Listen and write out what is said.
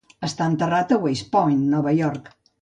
Està enterrat a West Point, Nova York.